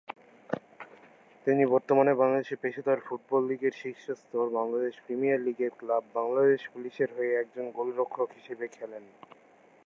তিনি বর্তমানে বাংলাদেশের পেশাদার ফুটবল লীগের শীর্ষ স্তর বাংলাদেশ প্রিমিয়ার লীগের ক্লাব বাংলাদেশ পুলিশের হয়ে একজন গোলরক্ষক হিসেবে খেলেন।